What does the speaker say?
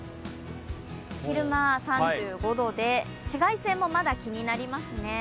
昼間、３５度で、紫外線もまだ気になりますね。